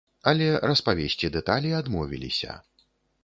Але распавесці дэталі адмовіліся.